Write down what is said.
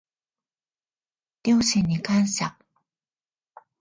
両親に感謝